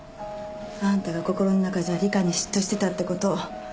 あんたが心の中じゃ里香に嫉妬してたってこと